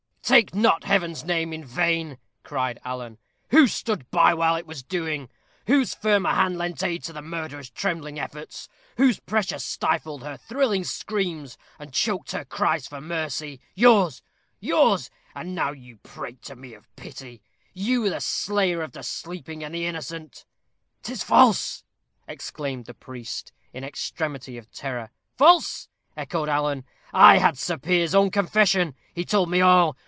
"Take not Heaven's name in vain," cried Alan. "Who stood by while it was doing? Whose firmer hand lent aid to the murderer's trembling efforts? Whose pressure stifled her thrilling screams, and choked her cries for mercy? Yours yours; and now you prate to me of pity you, the slayer of the sleeping and the innocent!" "'Tis false!" exclaimed the priest, in extremity of terror. "False!" echoed Alan. "I had Sir Piers's own confession. He told me all.